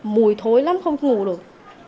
mùi thối lắm không ngủ được